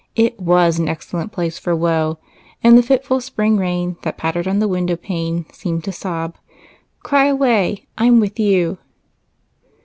It was an excellent place for woe ; and the fitful spring rain that pattered on the window pane seemed to sob, " Cry away ; I 'm with you."